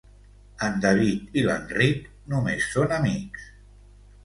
En David i l'Enric només són amics.